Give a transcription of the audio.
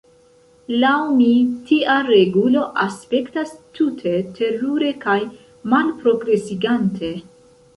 Laŭ mi tia regulo aspektas tute terure kaj malprogresigante.